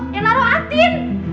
yang naruh atin